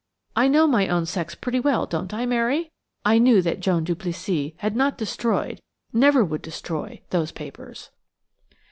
I know my own sex pretty well, don't I, Mary? I knew that Joan Duplessis had not destroyed–never would destroy–those papers."